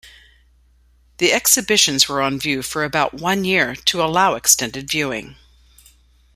The exhibitions were on view for about one year to allow extended viewing.